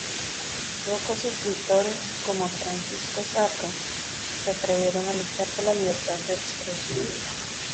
Pocos escritores, como Francisco Zarco, se atrevieron a luchar por la libertad de expresión.